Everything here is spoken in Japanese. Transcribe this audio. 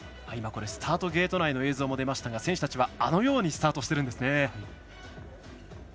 スタートゲート内の映像も出ましたが、選手たちはあのようにスタートしてるんですね。